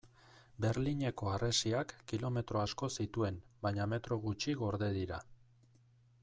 Berlineko harresiak kilometro asko zituen baina metro gutxi gorde dira.